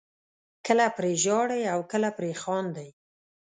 کله پرې ژاړئ او کله پرې خاندئ.